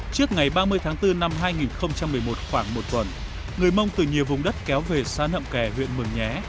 trước ngày ba mươi tháng bốn năm hai nghìn một mươi một khoảng một tuần người mông từ nhiều vùng đất kéo về sa nậm kè huyện mường nhé